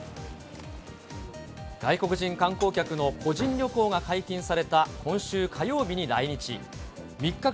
外国人観光客の個人旅行が解禁された今週火曜日に来日。